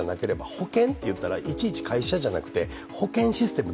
保険と言ったら、いちいち会社じゃなくて保険システム